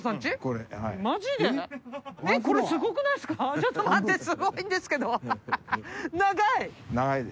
ちょっと待ってスゴいんですけど